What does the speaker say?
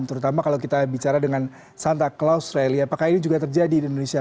terutama kalau kita bicara dengan santa claus rally apakah ini juga terjadi di indonesia